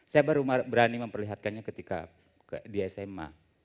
saya baru berani memperlihatkannya ketika di sma